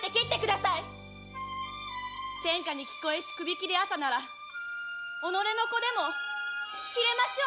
天下に聞こえし首切り朝なら己の子でも切れましょう。